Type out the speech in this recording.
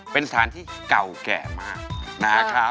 เป็นสถานที่เก่าแก่มากนะครับ